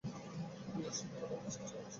আমি ওর সাথে কথা বলার চেষ্টা করছি।